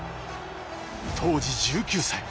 当時１９歳。